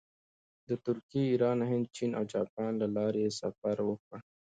د ترکیې، ایران، هند، چین او جاپان له لارې یې سفر وکړ.